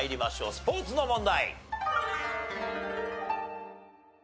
スポーツの問題。